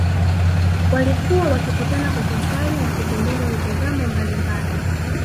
Walikuwa wakikutana kwa kusali na kujadili mitazamo mbalimbali